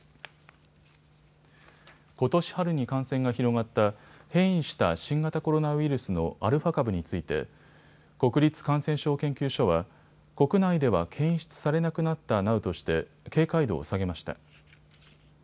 ことし春に感染が広がった変異した新型コロナウイルスのアルファ株について国立感染症研究所は国内では検出されなくなったなどとして警戒度を下げました。